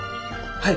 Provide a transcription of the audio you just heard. はい。